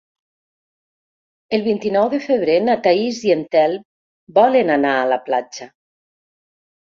El vint-i-nou de febrer na Thaís i en Telm volen anar a la platja.